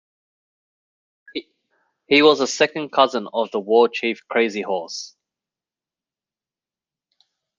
He was a second cousin of the war chief Crazy Horse.